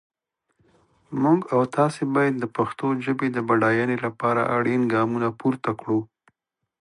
موږ او تاسي باید د پښتو ژپې د بډاینې لپاره اړین ګامونه پورته کړو.